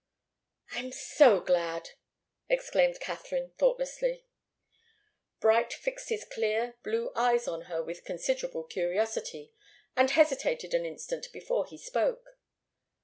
"I'm so glad!" exclaimed Katharine, thoughtlessly. Bright fixed his clear, blue eyes on her with considerable curiosity, and hesitated an instant before he spoke.